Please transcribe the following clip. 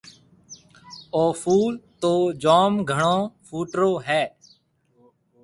اَو ڦول تو جوم گھڻو ڦوٽرو هيَ۔